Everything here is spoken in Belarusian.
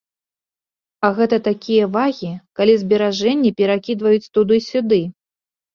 А гэта такія вагі, калі зберажэнні перакідваюць туды-сюды.